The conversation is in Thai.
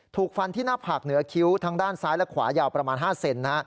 ถูกฟันที่หน้าผากเหนือคิ้วทั้งด้านซ้ายและขวายาวประมาณ๕เซน